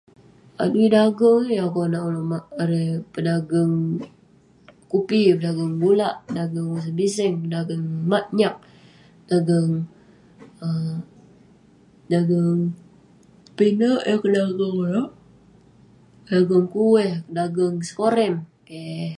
Adui dageng..niah konak uleuk erei pedageng kupi, pedageng gu'lark, pedageng usen biseng ,pedageng nyark, pedageng..[um] pedageng pinek eh kadageng uleuk ,dageng kueh, dageng sekorem, keh....